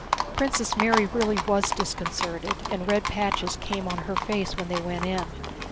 Princess Mary really was disconcerted and red patches came on her face when they went in.